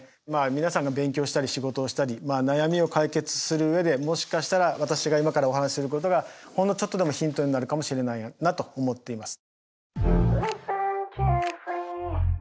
皆さんが勉強したり仕事をしたり悩みを解決する上でもしかしたら私が今からお話しすることがほんのちょっとでもヒントになるかもしれないなと思っています。